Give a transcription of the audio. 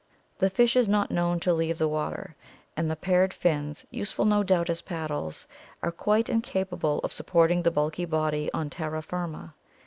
The fish is not known to leave the water, and the paired fins, useful no doubt as paddles, are quite incapable of supporting the bulky body on terra firma.